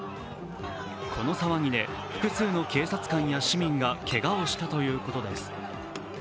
この騒ぎで複数の警察官や市民がけがをしたということです。